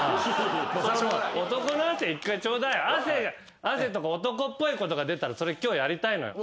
汗とか男っぽいことが出たらそれ今日やりたいのよ。